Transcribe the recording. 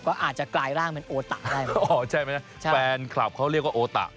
ก็อาจจะกลายร่างเป็นโอตะได้ไหมอ๋อใช่ไหมนะใช่แฟนคลับเขาเรียกว่าโอตะ